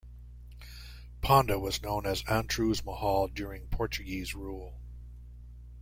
Ponda was known as Antruz Mahal during Portuguese rule.